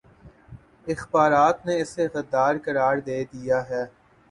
اخبارات نے اسے غدارقرار دے دیاہے